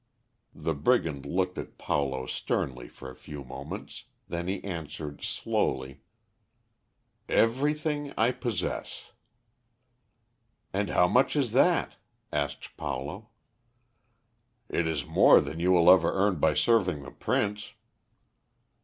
The brigand looked at Paulo sternly for a few moments, then he answered slowly, "Everything I possess." "And how much is that?" asked Paulo. "It is more than you will ever earn by serving the Prince."